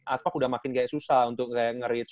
aspak udah makin kayak susah untuk kayak nge reach gitu